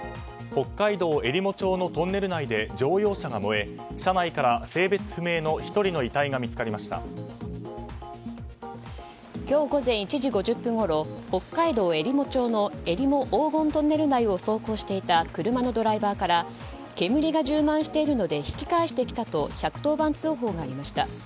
北海道えりも町のトンネル内で乗用車が燃え車内から性別不明の１人の遺体が今日午前１時５０分ごろ北海道えりも町のえりも黄金トンネル内を走行していた車のドライバーから煙が充満しているので引き返してきたと１１０番通報がありました。